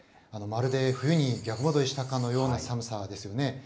まるで冬に逆戻りしたかのような寒さですよね。